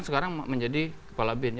sekarang menjadi kepala bin